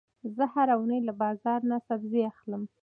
زه هره اونۍ له بازار نه سبزي اخلم.